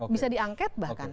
bisa diangket bahkan